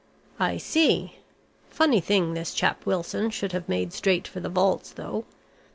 "I see. Funny thing this chap Wilson should have made straight for the vaults though.